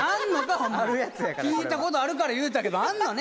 ホンマ聞いたことあるから言うたけどあんのね？